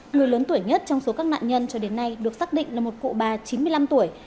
người lớn tuổi nhất trong số các nạn nhân cho đến nay được xác định là một cụ bà chín mươi năm tuổi